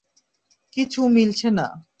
কিছু মিলছে না।